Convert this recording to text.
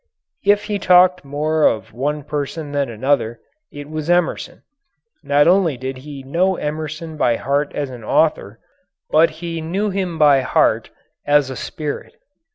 If he talked more of one person than another, it was Emerson. Not only did he know Emerson by heart as an author, but he knew him by heart as a spirit.